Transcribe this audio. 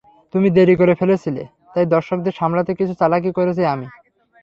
তুমি দেরি করে ফেলেছিলে, তাই দর্শকদের সামলাতে কিছু চালাকি করেছি আমি।